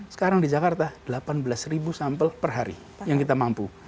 sekarang di jakarta delapan belas sampel per hari yang kita mampu